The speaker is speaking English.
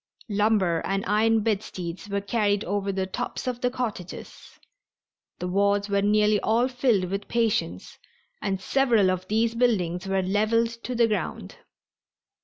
Lumber and iron bedsteads were carried over the tops of the cottages. The wards were nearly all filled with patients, and several of these buildings were leveled to the ground.